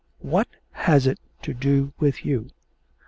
'What has it to do with you!